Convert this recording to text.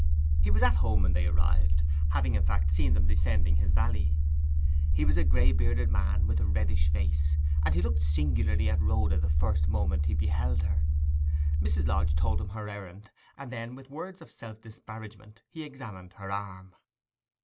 He was at home when they arrived, having in fact seen them descending into his valley. He was a gray bearded man, with a reddish face, and he looked singularly at Rhoda the first moment he beheld her. Mrs. Lodge told him her errand; and then with words of self disparagement he examined her arm.